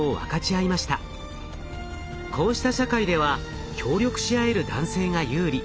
こうした社会では協力し合える男性が有利。